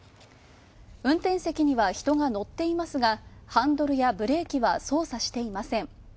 運転席には人が乗っていますがハンドルやブレーキは操作していません。